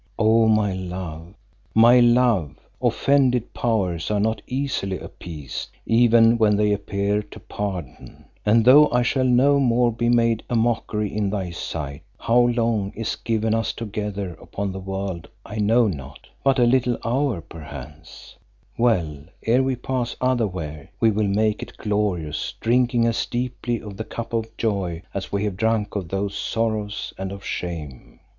O my love, my love, offended Powers are not easily appeased, even when they appear to pardon, and though I shall no more be made a mockery in thy sight, how long is given us together upon the world I know not; but a little hour perchance. Well, ere we pass otherwhere, we will make it glorious, drinking as deeply of the cup of joy as we have drunk of those of sorrows and of shame.